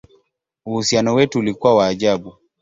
Uhusiano wetu ulikuwa wa ajabu!